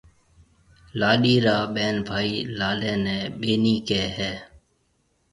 لاڏيِ را ٻين ڀائي لاڏيَ نَي ٻَينِي ڪهيَ هيَ۔